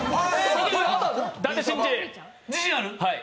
自信ある？